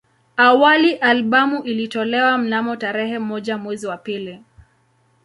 Awali albamu ilitolewa mnamo tarehe moja mwezi wa pili